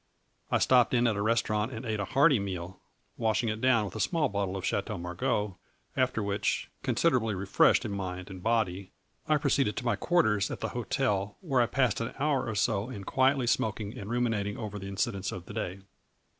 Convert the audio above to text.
I stopped in at a restaurant and ate a hearty meal, washing it down with a small bottle of Chateau Margaux , after which, considerably refreshed in mind and body, I proceeded to my quarters at the hotel, where I passed an hour or so in quietly smoking and ruminating over the incidents of the day.